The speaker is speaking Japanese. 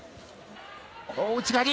大内刈り！